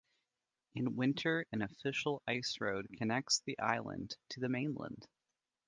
In winter an official ice road connects the island to the mainland.